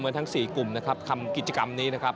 รวมกันทั้งสี่กลุ่มนะครับทำกิจกรรมนี้นะครับ